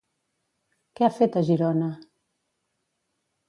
Què ha fet a Girona?